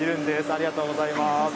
ありがとうございます。